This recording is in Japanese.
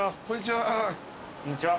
こんにちは。